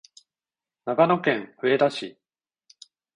長野県上田市